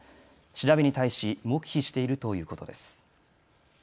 調べに対し黙秘しているということです。